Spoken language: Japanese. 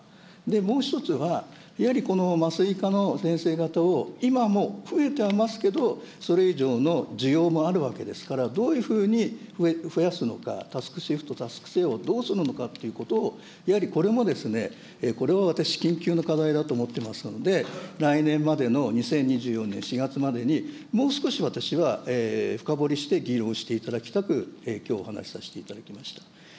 もう一つは、やはりこの麻酔科の先生方を、今も増えてはいますけど、それ以上の需要もあるわけですから、どういうふうに増やすのか、タスクシフト、タスクシェアをどうするのかということをやはりこれも、これは私、緊急の課題だと思ってますので、来年までの２０２４年４月までにもう少し私は深掘りして議論をしていただきたく、きょうお話させていただきました。